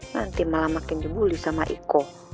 nanti malah makin dibully sama iko